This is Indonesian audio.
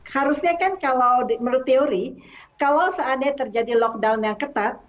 harusnya kan kalau menurut teori kalau seandainya terjadi lockdown yang ketat